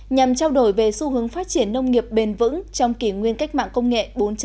nhằm trao đổi về xu hướng phát triển nông nghiệp bền vững trong kỷ nguyên cách mạng công nghệ bốn